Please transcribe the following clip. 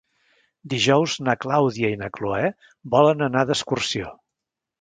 Dijous na Clàudia i na Cloè volen anar d'excursió.